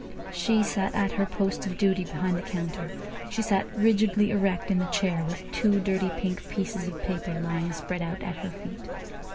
She sat at her post of duty behind the counter. She sat rigidly erect in the chair with two dirty pink pieces of paper lying spread out at her feet.